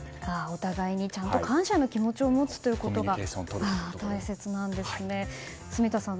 お互いに感謝の気持ちを持つことが大切なんですね。